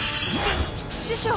師匠！